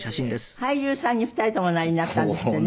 俳優さんに２人ともおなりになったんですってね。